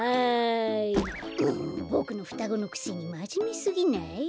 もうボクのふたごのくせにまじめすぎない？